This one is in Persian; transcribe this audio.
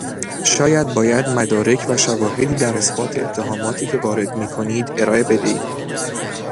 شما باید مدارک و شواهدی در اثبات اتهاماتی که وارد میکنید ارائه بدهید.